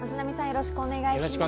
よろしくお願いします。